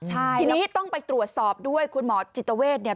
ทีนี้ต้องไปตรวจสอบด้วยคุณหมอจิตเวทเนี่ย